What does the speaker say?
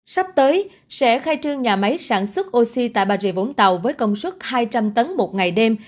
sắp tới sẽ khai trương nhà máy sản xuất oxy tại bà rịa vũng tàu với công suất hai trăm linh tấn một ngày đêm